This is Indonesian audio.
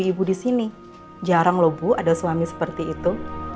ibu di sini jarang loh bu ada suami seperti itu